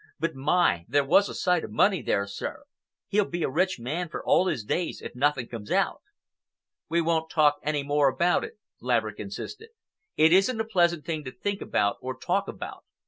But my! there was a sight of money there, sir! He'll be a rich man for all his days if nothing comes out." "We won't talk any more about it," Laverick insisted. "It isn't a pleasant thing to think about or talk about.